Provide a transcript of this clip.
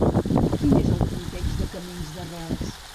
Quin és el context de Camins d'arrels?